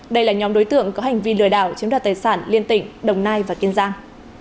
đây là nhóm đối tượng có hành vi lừa đảo chiếm đoạt tài sản liên tỉnh đồng nai và kiên giang